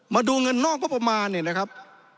มาดูเงินนอกงบประมาณเนี่ยนะครับ